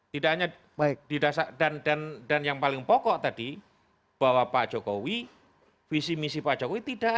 tidak hanya di dasar dan yang paling pokok tadi bahwa pak jokowi visi misi pak jokowi tidak ada